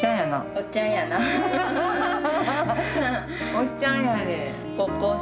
おっちゃんやねん。